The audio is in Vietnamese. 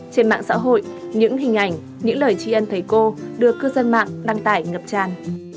trên mạng xã hội những hình ảnh những lời tri ân thầy cô được cư dân mạng đăng tải ngập tràn